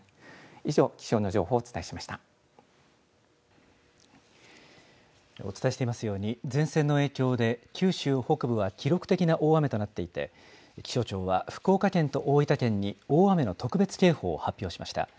以上、気象の情報をお伝えしましお伝えしていますように、前線の影響で九州北部は、記録的な大雨となっていて、気象庁は福岡県と大分県に大雨の特別警報を発表しました。